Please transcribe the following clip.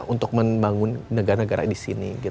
untuk membangun negara negara disini